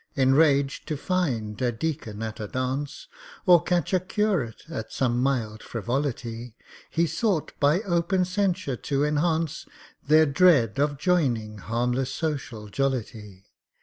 Enraged to find a deacon at a dance, Or catch a curate at some mild frivolity, He sought by open censure to enhance Their dread of joining harmless social jollity.